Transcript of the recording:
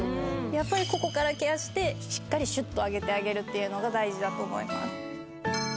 やっぱりここからケアしてしっかりシュッと上げてあげるっていうのが大事だと思います。